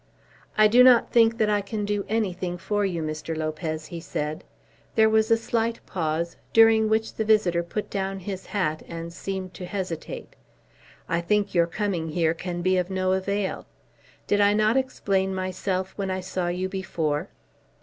"I do not think that I can do anything for you, Mr. Lopez," he said. There was a slight pause, during which the visitor put down his hat and seemed to hesitate. "I think your coming here can be of no avail. Did I not explain myself when I saw you before?"